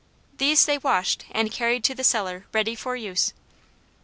These they washed and carried to the cellar ready for use.